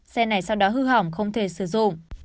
xe này sau đó hư hỏng không thể sử dụng